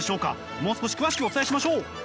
もう少し詳しくお伝えしましょう。